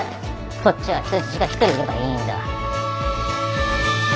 こっちは人質が１人いればいいんだ。